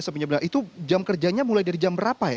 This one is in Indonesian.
dari jam tiga sampai jam lima itu jam kerjanya mulai dari jam berapa ya